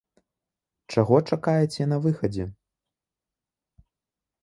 Чаго чакаеце на выхадзе?